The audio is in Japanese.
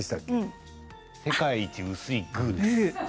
世界一薄いグー。